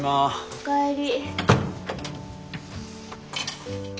おかえり。